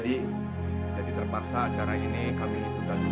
ini ada masalah intern jadi terpaksa acara ini kami itu dahulu